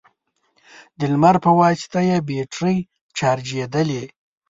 د لمر په واسطه يې بېټرۍ چارجېدلې،